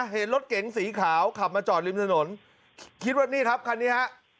เห็นรถเก๋งสีขาวขับมาจอดริมถนนคิดว่านี่ครับคันนี้ฮะ